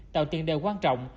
tạo tiền đều quan trọng